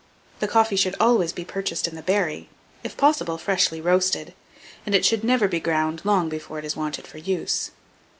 The coffee should always be purchased in the berry, if possible, freshly roasted; and it should never be ground long before it is wanted for use.